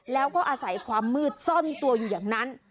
แล้วก็อาศัยความมืดซ่อนตัวอยู่อย่างนั้น